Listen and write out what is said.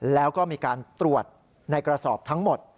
แล้วก็มีการตรวจในกระสอบทั้งหมด